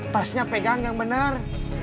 tasnya pegang yang bener